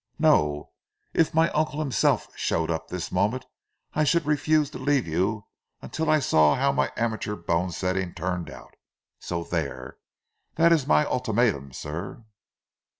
No! If my uncle himself showed up at this moment, I should refuse to leave you until I saw how my amateur bone setting turned out. So there! That is my ultimatum, sir."